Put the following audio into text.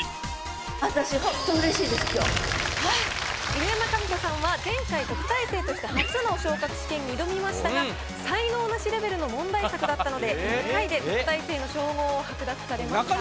私今日犬山紙子さんは前回特待生として初の昇格試験に挑みましたが才能ナシレベルの問題作だったので１回で特待生の称号を剥奪されました。